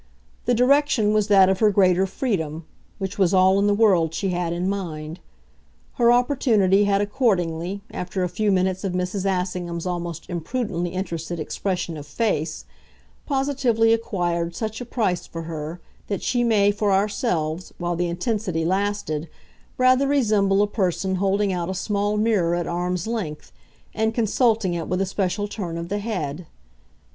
The direction was that of her greater freedom which was all in the world she had in mind. Her opportunity had accordingly, after a few minutes of Mrs. Assingham's almost imprudently interested expression of face, positively acquired such a price for her that she may, for ourselves, while the intensity lasted, rather resemble a person holding out a small mirror at arm's length and consulting it with a special turn of the head.